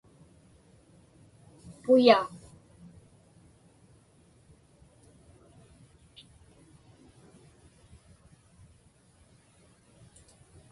puya